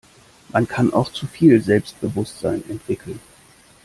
Man kann auch zu viel Selbstbewusstsein entwickeln.